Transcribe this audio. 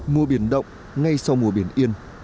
mùa biển động ngay sau mùa biển yên